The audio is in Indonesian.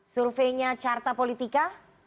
surveinya carta politika